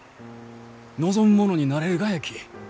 望む者になれるがやき。